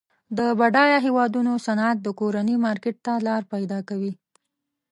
د بډایه هیوادونو صنعت د کورني مارکیټ ته لار پیداکوي.